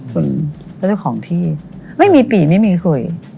คุณเจ้าของที่ไม่มีปีไม่มีคุย